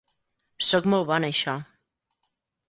Sóc molt bo en això.